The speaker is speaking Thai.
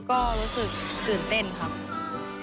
ก็รู้สึกตื่นเต้นครับ